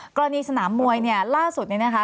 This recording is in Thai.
กรณีสนามมวยเนี่ยล่าสุดนี้นะคะ